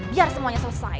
biar semuanya selesai